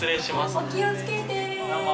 お気をつけて。